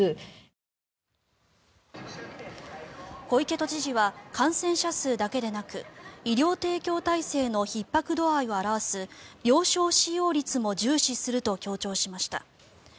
小池都知事は感染者数だけでなく医療提供体制のひっ迫度合いを表す病床使用率も重視すると強調しました。